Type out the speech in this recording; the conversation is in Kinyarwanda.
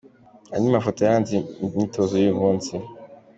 Andi mafoto yaranze imyitozo y’uyu munsi.